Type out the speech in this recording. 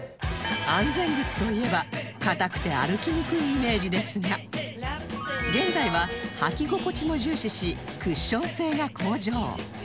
安全靴といえば硬くて歩きにくいイメージですが現在は履き心地も重視しクッション性が向上